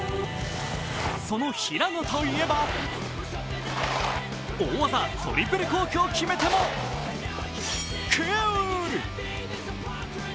その平野といえば大技トリプルコークを決め手もクール。